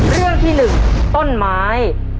เรื่องที่๑ต้นไม้